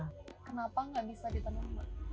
kenapa nggak bisa ditenun mbak